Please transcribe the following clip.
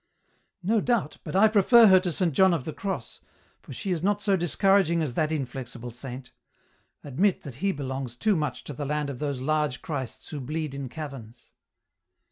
" No doubt, but I prefer her to Saint John of the Cross, for she is not so discouraging as that inflexible saint. Admit that he belongs too much to the land of those large Christs who bleed in caverns."